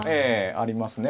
ありますね